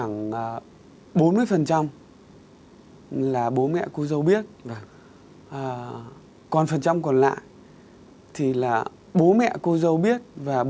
ngay cả cái việc mà